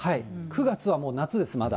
９月は夏です、まだ。